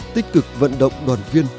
tích cực vận động đoàn viên